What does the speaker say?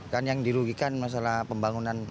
kan yang dirugikan masalah pembangunan